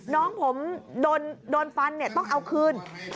น้องผมโดนฟันต้องเอาคืน